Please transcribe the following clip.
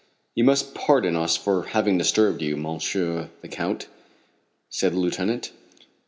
"You must pardon us for having disturbed you, Monsieur the Count," said the lieutenant.